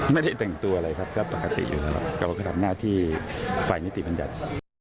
ไม่ได้แต่งตัวอะไรครับก็ปกติอยู่แล้วเราก็ทำหน้าที่ฝ่ายนิติบัญญัติ